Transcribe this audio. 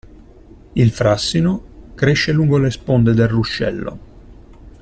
Il frassino cresce lungo le sponde del ruscello.